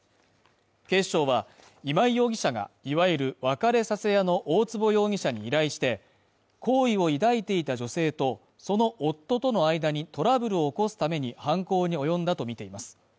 警視庁は今井容疑者が、いわゆる別れさせ屋の大坪容疑者に依頼して、好意を抱いていた女性とその夫との間にトラブルを起こすために犯行に及んだとみています。